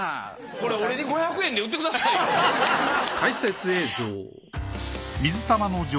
これ俺に５００円で売ってくださいよ。